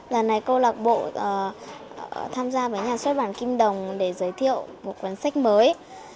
lần này câu lạc bộ tham gia với nhà xuất bản kim đồng để giới thiệu một cuốn sách mới